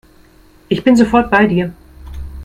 Ich bin sofort bei dir.